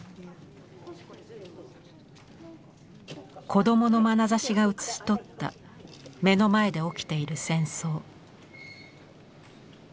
子どものまなざしが写し取った目の前で起きている戦争。